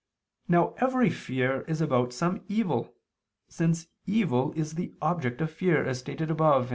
Now every fear is about some evil, since evil is the object of fear, as stated above (AA.